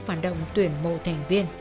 phản động tuyển mộ thành viên